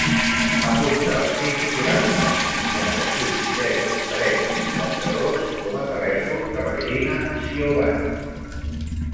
Apunta el sis, quaranta, cinquanta-sis, zero, tres, cinquanta-dos com a telèfon de la Gina Ciobanu.